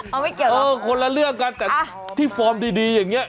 เออคนละเลือกกันแต่ที่ฟอร์มดีอย่างนี้